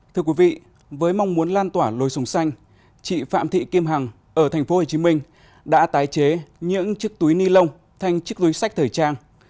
thưa quý vị với mong muốn lan tỏa lối sùng xanh chị phạm thị kim hằng ở tp hcm đã tái chế những chiếc túi ni lông thành chiếc túi sách thời trang